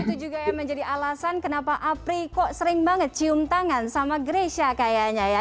itu juga yang menjadi alasan kenapa apri kok sering banget cium tangan sama gresha kayaknya ya